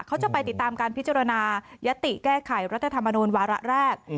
เขาจะไปติดตามการพิจารณายติแก้ไขรัฐธรรมนูญวาระแรก